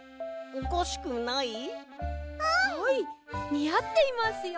にあっていますよ。